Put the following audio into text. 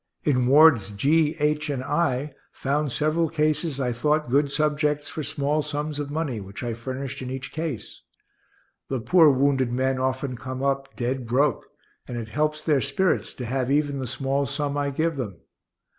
In Wards G, H, and I, found several cases I thought good subjects for small sums of money, which I furnished in each case. The poor wounded men often come up "dead broke," and it helps their spirits to have even the small sum I give them.